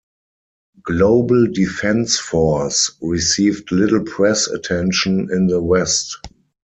"Global Defence Force" received little press attention in the West.